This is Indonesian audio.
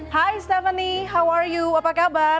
hai stephanie apa kabar